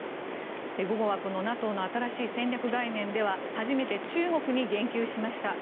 午後は、このＮＡＴＯの新しい戦略概念では初めて中国に言及しました。